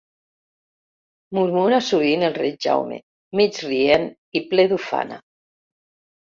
Murmura sovint el rei Jaume, mig-rient i ple d’ufana.